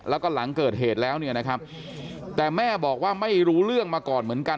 แล้วก็หลังเกิดเหตุแล้วเนี่ยนะครับแต่แม่บอกว่าไม่รู้เรื่องมาก่อนเหมือนกัน